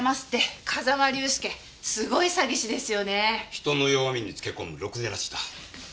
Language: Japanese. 人の弱みにつけ込むろくでなしだ。